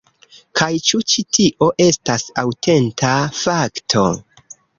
Kaj ĉu ĉi-tio estas aŭtenta fakto?